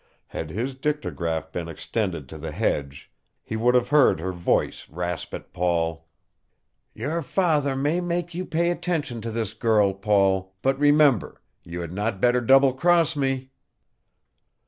Had his dictagraph been extended to the hedge he would have heard her voice rasp at Paul: "Your father may make you pay attention to this girl, Paul, but remember you had not better double cross me."